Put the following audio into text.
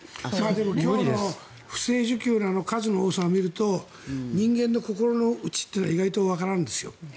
でも今日の不正受給の数の多さを見ると人間の心の内というのは意外とわからないですよ。